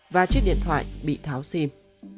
và chiếc điện thoại bị tháo sim